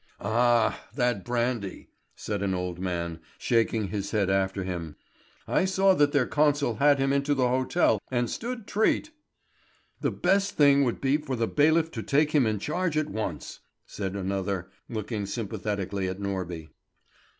"Ah, that brandy!" said an old man, shaking his head after him. "I saw that there consul had him into the hotel and stood treat." "The best thing would be for the bailiff to take him in charge at once," said another, looking sympathetically at Norby.